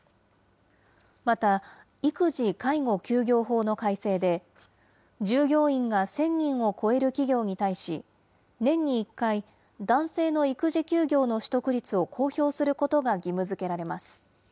また、育児・介護休業法の改正で、従業員が１０００人を超える企業に対し、年に１回、男性の育児休業の取得率を公表することが義務づけられます。